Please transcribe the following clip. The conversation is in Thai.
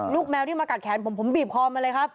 แมวที่มากัดแขนผมผมบีบคอมาเลยครับ